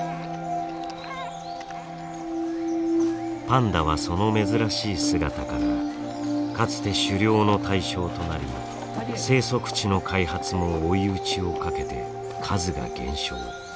パンダはその珍しい姿からかつて狩猟の対象となり生息地の開発も追い打ちをかけて数が減少。